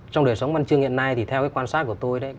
trong đời sống văn chương hiện nay thì theo cái quan sát của tôi đấy